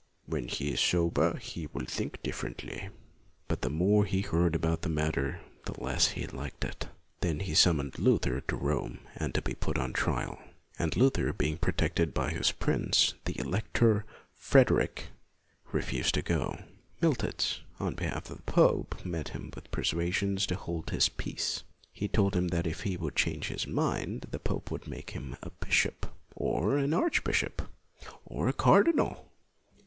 " When he is sober, he will think differ ently." But the more he heard about the matter, the less he liked it. Then he summoned Luther to Rome to be put on trial. And Luther, being protected by his prince, the Elector Frederick, refused to go. Miltitz, on behalf of the pope, met him with persuasions to hold his peace. He told him that if he would change his mind the pope would make him a bishop, or an archbishop, or a cardinal.